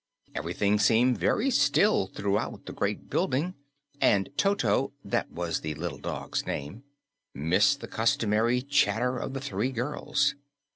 Everything seemed very still throughout the great building, and Toto that was the little dog's name missed the customary chatter of the three girls.